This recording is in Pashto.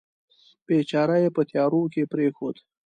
بیچاره یې په تیارو کې پرېښود.